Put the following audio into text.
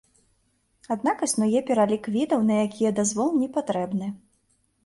Аднак існуе пералік відаў, на якія дазвол не патрэбны.